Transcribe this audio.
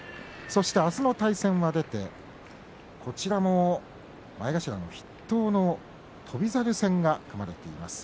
そして明日の対戦が出てこちらも前頭筆頭の翔猿戦が組まれています。